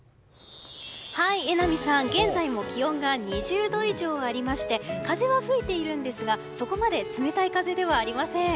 榎並さん、現在も気温が２０度以上ありまして風は吹いているんですがそこまで冷たい風ではありません。